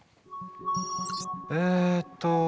えっと